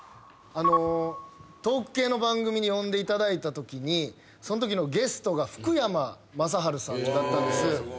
あのトーク系の番組に呼んでいただいたときにそんときのゲストが福山雅治さんだったんです。